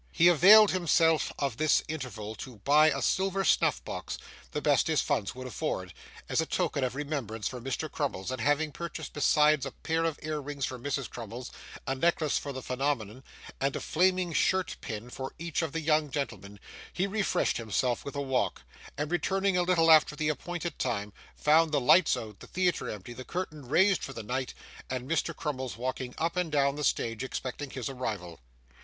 He availed himself of this interval to buy a silver snuff box the best his funds would afford as a token of remembrance for Mr. Crummles, and having purchased besides a pair of ear rings for Mrs. Crummles, a necklace for the Phenomenon, and a flaming shirt pin for each of the young gentlemen, he refreshed himself with a walk, and returning a little after the appointed time, found the lights out, the theatre empty, the curtain raised for the night, and Mr. Crummles walking up and down the stage expecting his arrival.